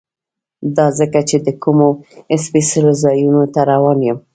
دا ځکه چې زه د کومو سپېڅلو ځایونو ته روان یم.